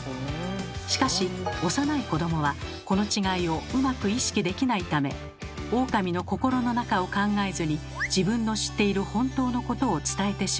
しかし幼い子どもはこの違いをうまく意識できないためオオカミの心の中を考えずに自分の知っている本当のことを伝えてしまうのです。